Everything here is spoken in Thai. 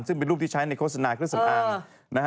ซึ่งเป็นรูปที่ใช้ในโฆษณาเครื่องสำอาง